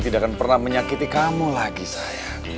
tidak akan pernah menyakiti kamu lagi saya